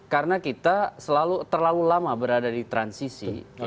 karena kita terlalu lama berada di transisi